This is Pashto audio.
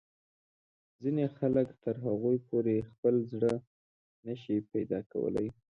ځینې خلک تر هغو پورې خپل زړه نه شي پیدا کولای.